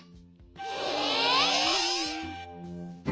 え。